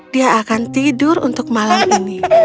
dia akan tidur untuk malam ini